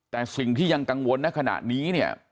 แต่สิ่งที่ยังกังวลในขณะนี้เนี่ย